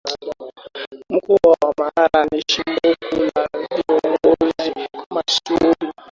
Mkoa wa Mara ni chimbuko la Viongozi mashuhuri